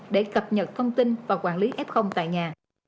để cập nhật thông tin và quản lý f tại nhà